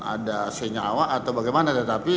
ada senyawa atau bagaimana tetapi